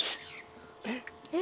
えっ？